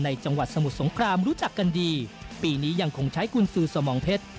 จังหวัดสมุทรสงครามรู้จักกันดีปีนี้ยังคงใช้กุญสือสมองเพชร